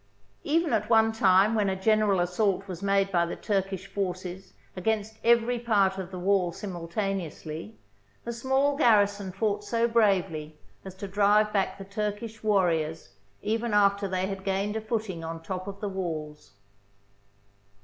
Even at one time when a general assault was made by the Turkish forces against every part of the wall simultaneously, the small garrison fought so bravely as to drive back the Turkish war riors even after they had gained a footing on top of the walls.